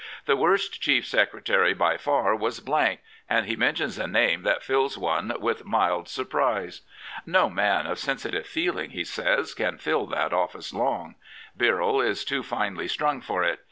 " The worst Chief Secretary by far was /' and he mentions a name that fills one with mild surprise. ''No man of sensitive feeling," he says, " can fill that ofl&ce long. Birrell is too finely strung for it.